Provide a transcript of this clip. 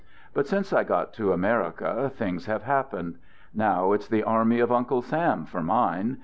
But since I got to America, things have happened. Now it's the army of Uncle Sam for mine.